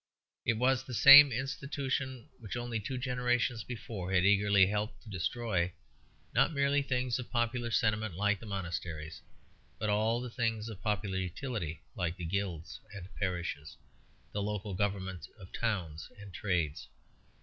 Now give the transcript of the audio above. It was the same institution which only two generations before had eagerly helped to destroy, not merely things of popular sentiment like the monasteries, but all the things of popular utility like the guilds and parishes, the local governments of towns and trades.